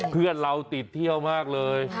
เพื่อนเราติดเที่ยวมากเลย